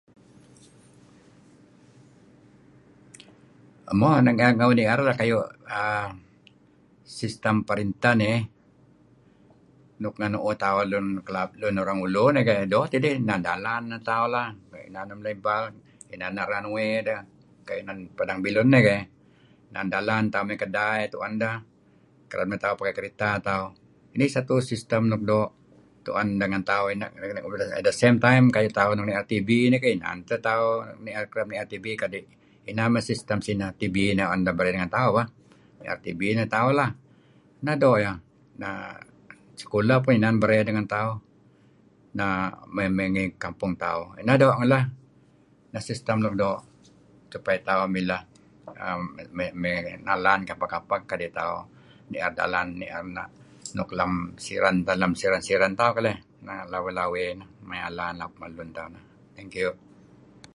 "Mo renga' uih nier sistem nperintah nih nuk nah nuuh tauh Lun Kelabit Lun Orang Ulu nih keh doo' kadi' inan dalan nah tauh lah inn lun ibal inan runway nideh kayu' inan padang bilun iih keh inan dalan tauh may kedai kereb neh tuh pakai kereta. Nih satu sistem nuk doo' tuen deh ngen tauh. ""At the same time"" kayu' tauh nier TV nik keh inan teh tauh ereb nier TV kadi' inan sistem sinah TV inah ngen tauh bah. Inan TV neh tauh lah. Nah doo' iyeh. Sekolah pah inan barey dah ngen tauh may ngi baang tauh. Neh doo' . Nah sistem nuk doo' paad tauh may nalan kapeh-kapeh paad tauh nier daln nier nuk nak siit lem siren-siren tauh keleh. Nah lawey-lawey may alan ngen tauh. Thank you."